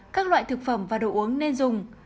các loại thực phẩm và đồ uống nên dùng